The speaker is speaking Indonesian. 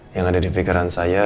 yang ada di pikiran saya